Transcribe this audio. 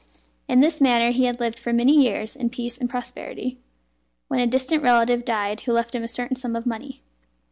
In this manner he had lived for many years in peace and prosperity, when a distant relative died who left him a certain sum of money.